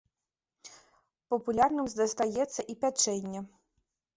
Папулярным застаецца і пячэнне.